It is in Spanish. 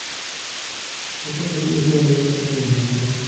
La otra capilla está dedicada a la Inmaculada.